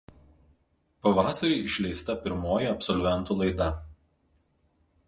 Pavasarį išleista pirmoji absolventų laida.